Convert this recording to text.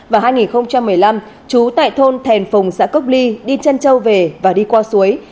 và hai nghìn một mươi năm chú tại thôn thèn phùng xã cốc ly đi chân châu về và đi qua suối